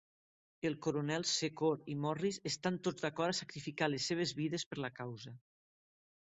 El coronel, Secor, i Morris estan tots d'acord a sacrificar les seves vides per la causa.